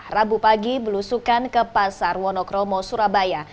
rabu pagi belusukan ke pasar wonokromo surabaya